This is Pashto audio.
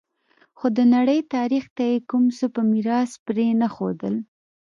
خو د نړۍ تاریخ ته یې کوم څه په میراث پرې نه ښودل